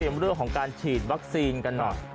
เรื่องของการฉีดวัคซีนกันหน่อย